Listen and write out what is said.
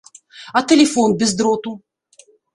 А тэлефон без дроту?